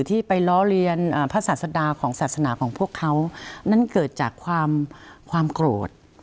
ที่ไปล้อเลียนพระศาสดาของศาสนาของพวกเขานั่นเกิดจากความความโกรธ